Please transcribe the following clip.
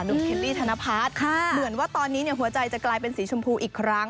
คิตตี้ธนพัฒน์เหมือนว่าตอนนี้หัวใจจะกลายเป็นสีชมพูอีกครั้ง